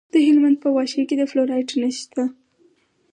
د هلمند په واشیر کې د فلورایټ نښې شته.